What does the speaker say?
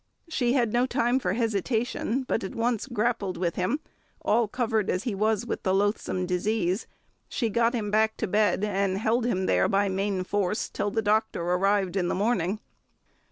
"She had no time for hesitation, but at once grappled with him, all covered as he was with the loathsome disease ... she got him back to bed, and held him there by main force till the doctor arrived in the morning."